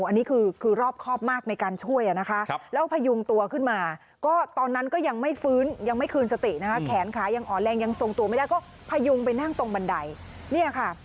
อันนี้คือรอบครอบมากในการช่วยนะคะแล้วพยุงตัวขึ้นมาก็ตอนนั้นก็ยังไม่ฟื้นยังไม่คืนสตินะคะแขนขายังอ่อนแรงยังทรงตัวไม่ได้ก็พยุงไปนั่งตรงบันไดเนี่ยค่ะ